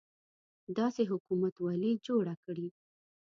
داسې حکومتولي جوړه کړي.